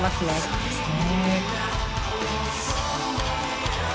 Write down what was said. そうですね。